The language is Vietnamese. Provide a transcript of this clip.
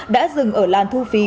đã dừng ở làn thu phí